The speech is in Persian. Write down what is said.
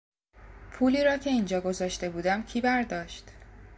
پولی را که اینجا گذاشته بودم کی برداشت؟